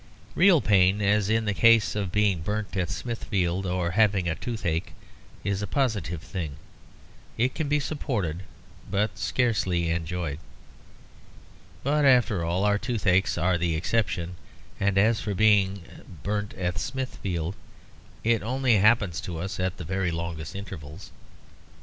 Real pain, as in the case of being burnt at Smithfield or having a toothache, is a positive thing; it can be supported, but scarcely enjoyed. But, after all, our toothaches are the exception, and as for being burnt at Smithfield, it only happens to us at the very longest intervals.